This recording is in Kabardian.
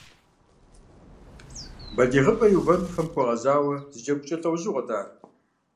Балигъыпӏэ иувэнухэм хуэгъэзауэ зы джэгукӀэ лӀэужьыгъуэт ар.